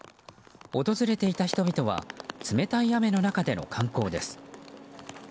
訪れていた人々は冷たい雨の中での観光です。